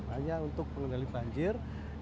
hanya untuk pengendali banjir